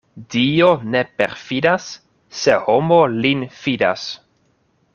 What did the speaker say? Dio ne perfidas, se homo lin fidas.